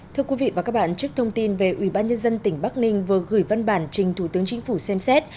thưa quý vị và các bạn trước thông tin về ủy ban nhân dân tỉnh bắc ninh vừa gửi văn bản trình thủ tướng chính phủ xem xét